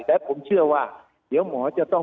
และผมเชื่อว่าเดี๋ยวหมอจะต้อง